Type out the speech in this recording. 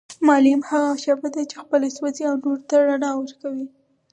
معلم هغه شمعه چي خپله سوزي او نورو ته رڼا ورکوي